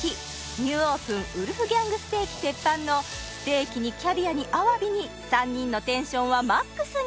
ニューオープンウルフギャング・ステーキＴＥＰＰＡＮのステーキにキャビアにアワビに３人のテンションはマックスに